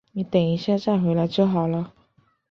你等一下再回来就好了